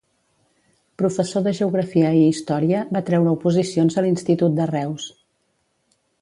Professor de geografia i història, va treure oposicions a l'Institut de Reus.